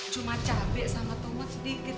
cuma cabai sama tomat sedikit